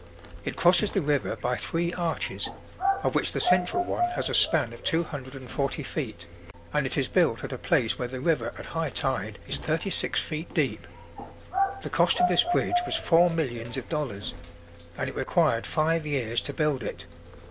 It crosses the river by three arches, of which the central one has a span of two hundred and forty feet, and it is built at a place where the river at high tide is thirty six feet deep. The cost of this bridge was four millions of dollars, and it required five years to build it.